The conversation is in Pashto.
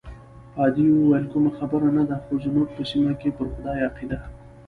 پادري وویل: کومه خبره نه ده، خو زموږ په سیمه کې پر خدای عقیده.